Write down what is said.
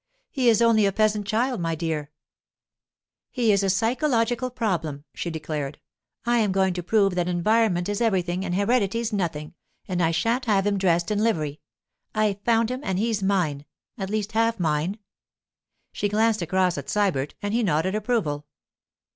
He is only a peasant child, my dear.' 'He is a psychological problem,' she declared. 'I am going to prove that environment is everything and heredity's nothing, and I shan't have him dressed in livery. I found him, and he's mine—at least half mine.' She glanced across at Sybert and he nodded approval.